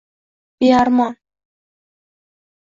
bearmon